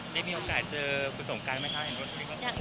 ได้มีโอกาสเจอคุณสงกรรมไหมคะอย่างที่คุณพูดค่ะ